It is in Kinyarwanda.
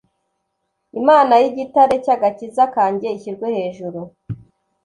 Imana y igitare cy agakiza kanjye ishyirwe hejuru